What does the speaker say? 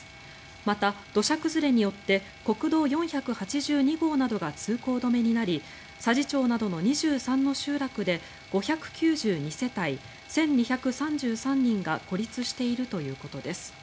また、土砂崩れによって国道４８２号などが通行止めになり佐治町などの２３の集落で５９２世帯１２３３人が孤立しているということです。